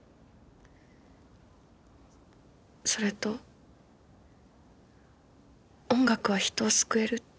それと音楽は人を救えるって。